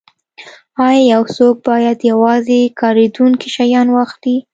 ایا یو څوک باید یوازې کاریدونکي شیان واخلي